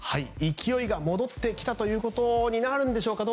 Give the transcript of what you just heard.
勢いが戻ってきたということになるんでしょうか。